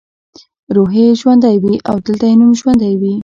روح یې ژوندی وي او دلته یې نوم ژوندی وي.